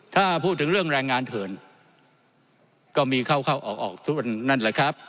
ถ้าพูดถึงเรื่องแรงงานเถินก็มีเข้าเข้าออกออกทุกวันนั่นแหละครับ